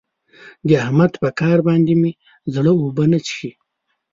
د احمد په کار باندې مې زړه اوبه نه څښي.